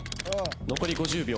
残り５０秒。